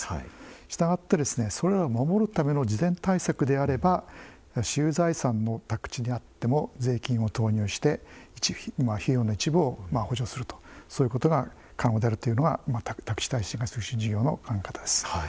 したがってそれらを守るための事前対策であれば私有財産の宅地であっても税金を投入して費用の一部を補助するというそういうことが考えられるのが宅地耐震化推進事業の考え方です。